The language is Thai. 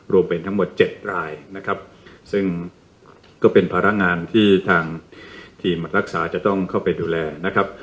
รวมเป็นทั้งหมด๗รายนะครับซึ่งก็เป็นภาระงานที่ทางทีมรักษาจะต้องเข้าไปดูแลนะครับ